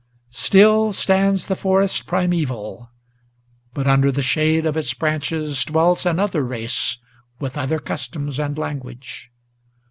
Still stands the forest primeval; but under the shade of its branches Dwells another race, with other customs and language.